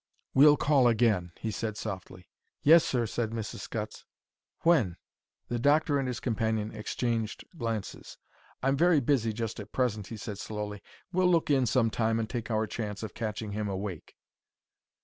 "We'll call again," he said, softly. "Yes, sir," said Mrs. Scutts. "When?" The doctor and his companion exchanged glances. "I'm very busy just at present," he said, slowly. "We'll look in some time and take our chance of catching him awake."